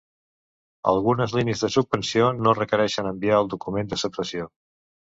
Algunes línies de subvenció no requereixen enviar el document d'acceptació.